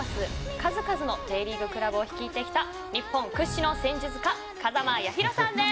数々のＪリーグクラブを率いてきた日本屈指の戦術家風間八宏さんです。